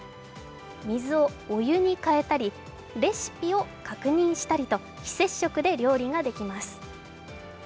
水をお湯にかえたり、レシピを確認したりと、非接触で料理ができます。